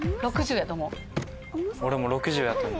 俺も６０やと思う。